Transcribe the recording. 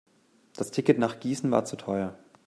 Das Ticket nach Gießen war zu teuer